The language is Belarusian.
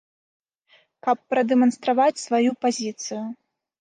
Каб прадэманстраваць сваю пазіцыю.